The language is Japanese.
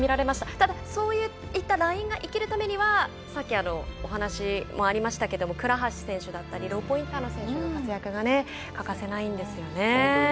ただ、そういったラインが生きるためにはさっきお話もありましたけど倉橋選手だったりローポインターの選手の活躍が欠かせないんですよね。